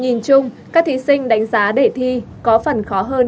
nhìn chung các thí sinh đánh giá đề thi có phần khó hơn